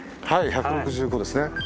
はい１６５ですね。